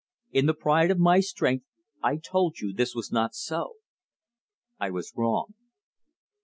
In the pride of my strength I told you this was not so. I was wrong."